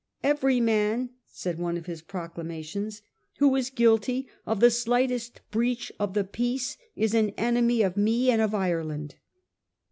' Every man,' said one of his proclama tions, ' who is guilty of the slightest breach of the peace is an enemy of me and of Ireland.